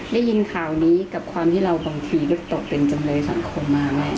ได้ยินข่าวนี้กับความที่เราบางทีลึกตกเป็นจำเลยสังคมมาแม่